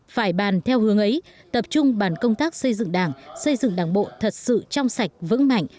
phải bàn theo hướng ấy tập trung bàn công tác xây dựng đảng xây dựng đảng bộ thật sự trong sạch vững mạnh